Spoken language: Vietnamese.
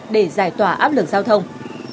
để giải tỏa áp lực giao thông